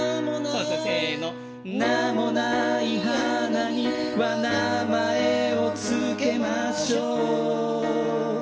「名もない花には名前を付けましょう」。